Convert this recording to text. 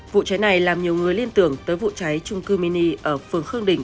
vụ cháy này làm nhiều người liên tưởng tới vụ cháy trung cư mini ở phường khương đình